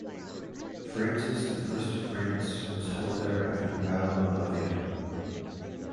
Francis the First of France was held there after the Battle of Pavia.